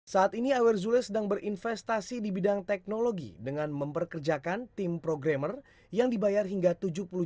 saat ini awer zule sedang berinvestasi di bidang teknologi dengan memperkerjakan tim programmer yang dibayar hingga tujuh puluh juta rupiah per bulan